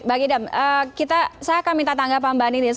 mbak gidam saya akan minta tanggapan mbak nidis